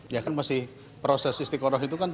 ya kan masih proses istiqoroh itu kan